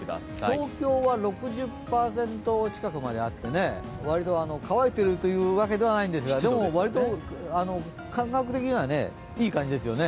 東京は６０％近くまであって割と乾いてるというわけではないんですがでも割と感覚的にはいい感じですよね。